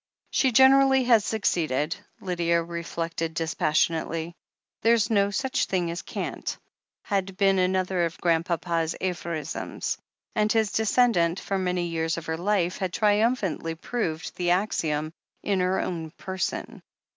She generally had succeeded, Lydia reflected dispas sionately. "There's no such thing as can't" had been another of Grandpapa's aphorisms, and his descendant, for many years of her life, had triumphantly proved the axiom in her own person.